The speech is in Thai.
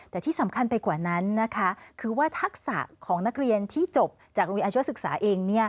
แต่ที่สำคัญไปกว่านั้นคือว่าทักษะของนักเรียนที่จบจากอาชิวะศึกษาเอง